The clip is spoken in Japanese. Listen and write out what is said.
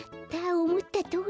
おもったとおりだ！